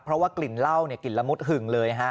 เพราะว่ากลิ่นเหล้ากลิ่นละมุดหึงเลยฮะ